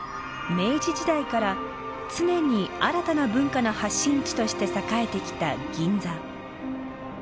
明治時代から常に新たな文化の発信地として栄えてきた銀座。